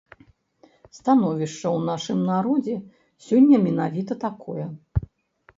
Становішча ў нашым народзе сёння менавіта такое.